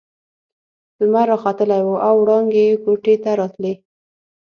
لمر راختلی وو او وړانګې يې کوټې ته راتلې.